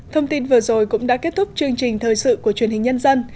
thông tin vừa rồi cũng đã kết thúc chương trình thời sự của truyền hình nhân dân